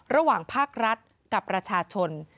ระหว่างภาครัฐกับประชาชน